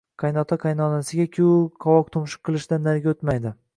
Qaynota-qaynonasiga-ku, qovuq-tumshuq qilishdan nariga o`tmaydi